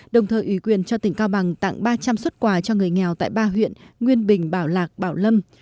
đồng thời ủy quyền cho tỉnh cao bằng tặng ba trăm linh xuất quà cho người nghèo tại ba huyện nguyên bình bảo lạc bảo lâm